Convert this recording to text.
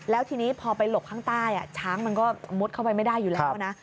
แล้วทีนี้พอไปหลบข้างใต้ช้างมันก็มุดเข้าไปไม่ได้อยู่แล้วนะ